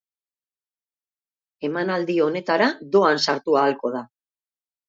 Emanaldi honetara doan sartu ahalko da.